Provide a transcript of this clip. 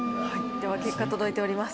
では結果届いております。